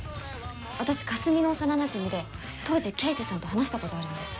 私かすみの幼なじみで当時刑事さんと話したことあるんです。